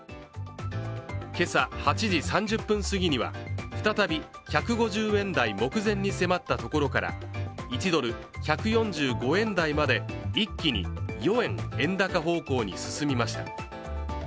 今朝８時３０分すぎには、再び１５０円台目前に迫ったところから１ドル＝１４５円台まで一気に４円円高方向に進みました。